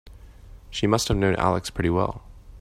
She must have known Alex pretty well.